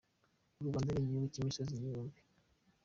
U Rwanda ni igihugu cy'imisozi igihumbi.